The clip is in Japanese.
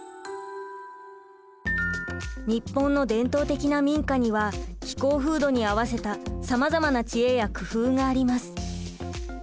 日本の伝統的な民家には気候風土に合わせたさまざまな知恵や工夫があります。